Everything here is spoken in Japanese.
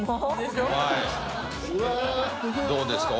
どうですか？